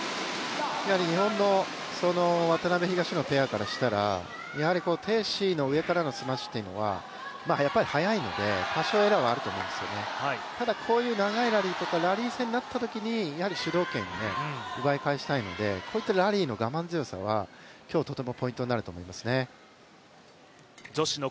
やはり日本の渡辺・東野ペアからしたら鄭思緯の上からのスマッシュっていうのは速いので、多少エラーはあったりするんですが、こういう長いラリーとか、ラリー戦になったときにやはり主導権を奪い返したいので、こういったラリーの我慢強さは、今日、とてもポイントになると思いますね。